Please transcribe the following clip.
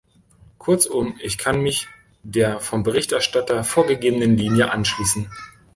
Kurzum, ich kann mich der vom Berichterstatter vorgegebenen Linie anschließen.